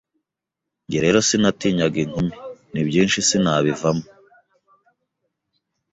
Jye rero sinatinyaga inkumi. Ni byinshi sinabivamo,